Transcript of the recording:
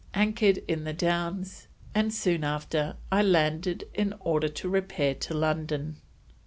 anchor'd in the Downs and soon after I landed in order to repair to London."